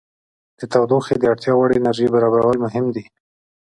د تودوخې د اړتیا وړ انرژي برابرول مهم دي.